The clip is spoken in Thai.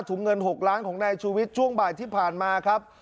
เงิน๖ล้านของนายชูวิทย์ช่วงบ่ายที่ผ่านมาครับ